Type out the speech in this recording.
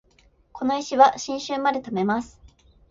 この石は新春まで貯めます